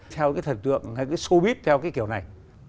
theo cái thần tượng hay cái showbiz theo cái kiểu này